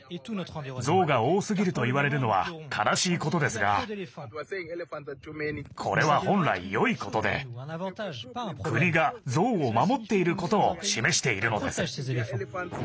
ゾウが多すぎると言われるのは悲しいことですがこれは本来、よいことで国がゾウを守っていることを示しているのです。